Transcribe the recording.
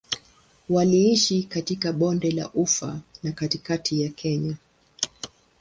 Waliishi katika Bonde la Ufa na katikati ya Kenya.